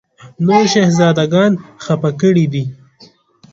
نور شهزاده ګان خپه کړي دي.